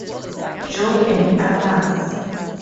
Joe, and others.